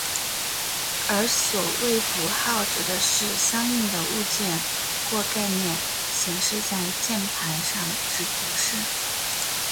而所谓符号指的是相应的物件或概念显示在键盘上之图示。